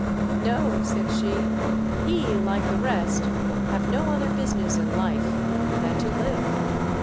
" No," said she ;" he, hke the rest, have no other business in life than to live.